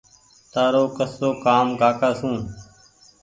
تآرو ڪسو ڪآم ڪاڪا سو